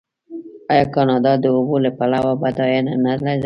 آیا کاناډا د اوبو له پلوه بډایه نه ده؟